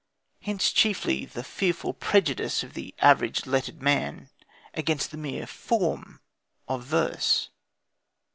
Hence chiefly the fearful prejudice of the average lettered man against the mere form of verse.